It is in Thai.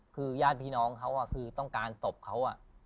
คือย่านพี่น้องเค้าคือต้องการศบเค้า